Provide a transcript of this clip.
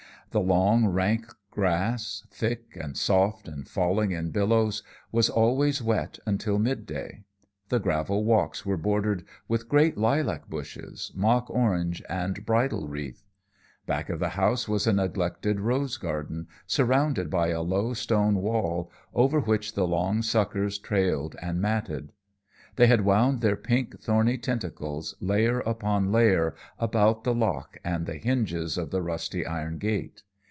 The long, rank grass, thick and soft and falling in billows, was always wet until midday. The gravel walks were bordered with great lilac bushes, mock orange, and bridal wreath. Back of the house was a neglected rose garden, surrounded by a low stone wall over which the long suckers trailed and matted. They had wound their pink, thorny tentacles, layer upon layer, about the lock and the hinges of the rusty iron gate.